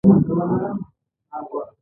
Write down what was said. دوی به د زړه له تله کوښښونه کول.